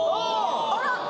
あら！